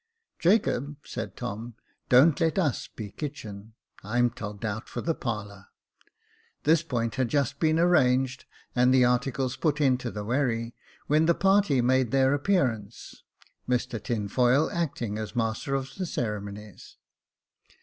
" Jacob," said Tom, " don't let us be kitchen ; I'm togged out for the parlour." This point had just been arranged, and the articles put into the wherry, when the party made their appearance, Mr Tinfoil acting as master of the ceremonies.